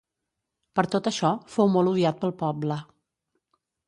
Per tot això fou molt odiat pel poble.